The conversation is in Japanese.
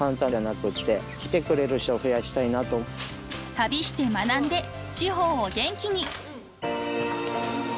［旅して学んで地方を元気に］